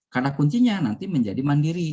karena kuncinya nanti menjadi mandiri